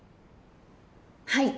はい。